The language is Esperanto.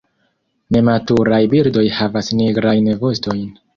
Nematuraj birdoj havas nigrajn vostojn.